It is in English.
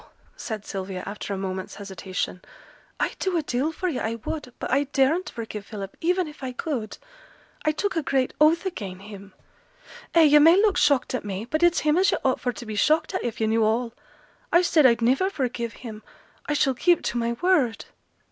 said Sylvia, after a moment's hesitation; 'I'd do a deal for yo', I would, but I daren't forgive Philip, even if I could; I took a great oath again' him. Ay, yo' may look shocked at me, but it's him as yo' ought for to be shocked at if yo' knew all. I said I'd niver forgive him; I shall keep to my word.'